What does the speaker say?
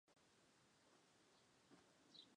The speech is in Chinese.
随后顾琛都留家照顾年迈母亲。